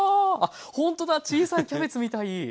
ああっほんとだ小さいキャベツみたい。